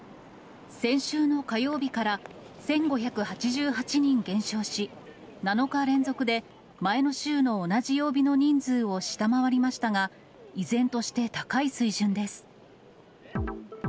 先週の火曜日から１５８８人減少し、７日連続で前の週の同じ曜日の人数を下回りましたが、依然として高い水準です。